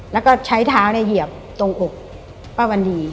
แล้วก็ใช้เท้าเหยียบตรงอกป้าวันดี